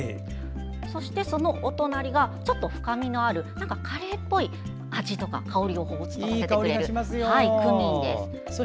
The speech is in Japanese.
そして、そのお隣がちょっと深みのあるカレーっぽい味とか香りをほうふつとさせてくれるクミンです。